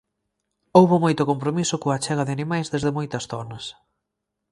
Houbo moito compromiso coa achega de animais desde moitas zonas.